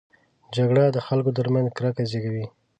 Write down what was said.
جګړه د خلکو ترمنځ کرکه زېږوي